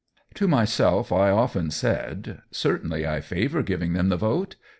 To myself I often said: "Certainly I favor giving them the vote.